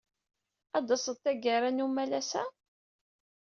Ad d-taseḍ taggara n umalas-a?